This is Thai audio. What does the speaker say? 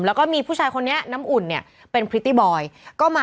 แล้วก็มีผู้ชายคนนี้น้ำอุ่นเนี่ยเป็นพริตตี้บอยก็มา